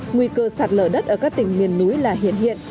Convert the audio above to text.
nguy cơ sạt lở đất ở các tỉnh miền núi là hiện hiện